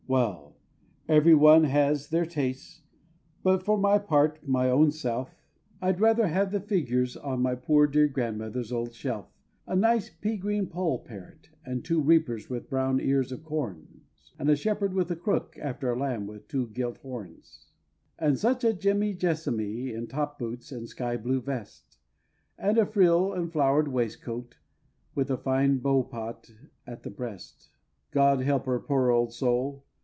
Well! every one has their tastes, but, for my part, my own self, I'd rather have the figures on my poor dear grandmother's old shelf A nice pea green poll parrot, and two reapers with brown ears of corns, And a shepherd with a crook after a lamb with two gilt horns, And such a Jemmy Jessamy in top boots and sky blue vest, And a frill and flower'd waistcoat, with a fine bow pot at the breast. God help her, poor old soul!